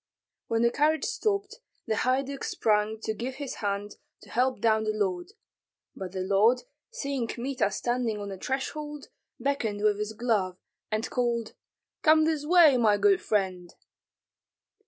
When the carriage stopped, the haiduk sprang to give his hand to help down the lord; but the lord, seeing Kmita standing on the threshold, beckoned with his glove, and called, "Come this way, my good friend!"